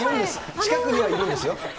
近くにはいるんですよ。